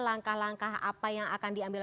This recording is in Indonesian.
langkah langkah apa yang akan diambil